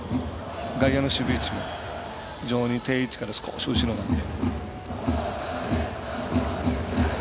外野の守備位置も非常に定位置から少し後ろにいって。